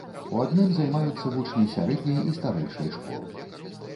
У адным займаюцца вучні сярэдняй і старэйшай школ.